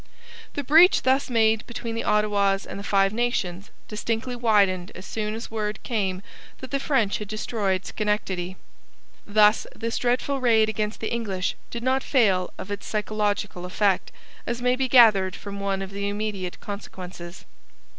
The breach thus made between the Ottawas and the Five Nations distinctly widened as soon as word came that the French had destroyed Schenectady. Thus this dreadful raid against the English did not fail of its psychological effect, as may be gathered from one of the immediate consequences.